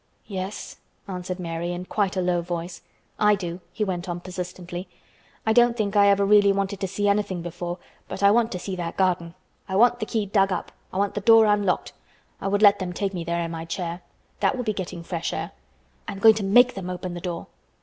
"Yes," answered Mary, in quite a low voice. "I do," he went on persistently. "I don't think I ever really wanted to see anything before, but I want to see that garden. I want the key dug up. I want the door unlocked. I would let them take me there in my chair. That would be getting fresh air. I am going to make them open the door."